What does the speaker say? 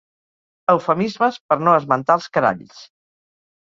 Eufemismes per no esmentar els caralls.